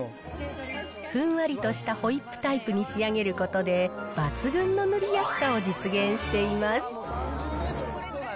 ふんわりとしたホイップタイプに仕上げることで、抜群の塗りやすさを実現しています。